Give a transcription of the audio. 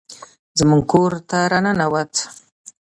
زموږ کور ته راننوت